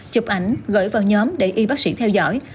chụp ảnh gửi vào nhóm để y bác sĩ theo dõi